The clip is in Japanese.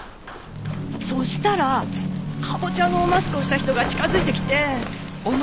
そしたらカボチャのマスクをした人が近づいてきて。